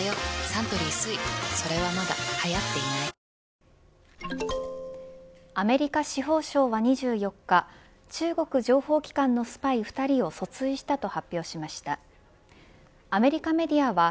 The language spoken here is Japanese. サントリー「翠」アメリカ司法省は２４日中国情報機関のスパイ２人を訴追したと発表しました。